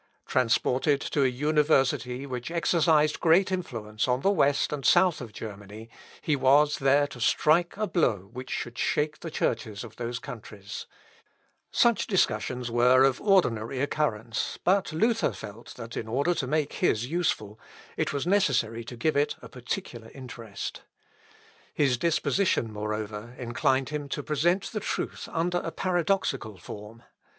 Transported to an university which exercised great influence on the west and south of Germany, he was there to strike a blow which should shake the churches of those countries. He, accordingly, began to write theses which he proposed to maintain in a public discussion. Such discussions were of ordinary occurrence; but Luther felt, that in order to make his useful, it was necessary to give it a peculiar interest. His disposition, moreover, inclined him to present the truth under a paradoxical form.